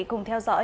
cùng theo dõi